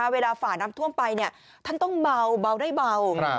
ฝ่าน้ำท่วมไปท่านต้องเบาได้เบา